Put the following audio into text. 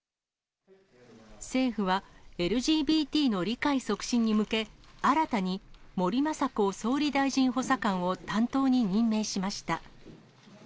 政府は、ＬＧＢＴの理解促進に向け、新たに森まさこ総理大臣補佐官を担当に任命しました。